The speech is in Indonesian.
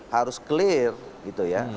harus clear gitu ya